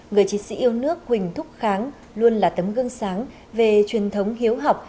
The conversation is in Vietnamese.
người chiến sĩ yêu nước huỳnh thúc kháng luôn là tấm gương sáng về truyền thống hiếu học